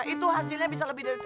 itu hasilnya bisa lebih dari